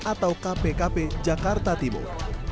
atau kpkp jakarta timur